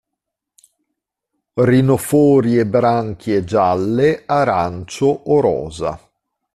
Rinofori e branchie gialle, arancio o rosa.